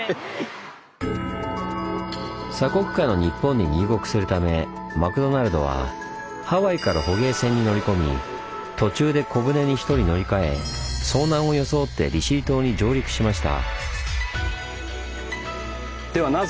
鎖国下の日本に入国するためマクドナルドはハワイから捕鯨船に乗り込み途中で小舟に１人乗り換え遭難を装って利尻島に上陸しました。